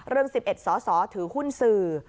เรื่อง๑๑สอสอถือหุ้นสื่อ